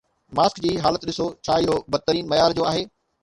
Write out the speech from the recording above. Mask جي حالت ڏسو، ڇا اهو بدترين معيار جو آهي.